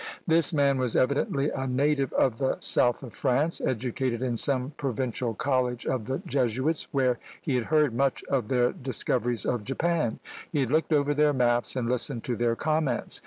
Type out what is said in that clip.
This man was evidently a native of the south of France; educated in some provincial college of the Jesuits, where he had heard much of their discoveries of Japan; he had looked over their maps, and listened to their comments.